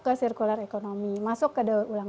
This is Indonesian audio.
masuk ke sirkular ekonomi masuk ke ulang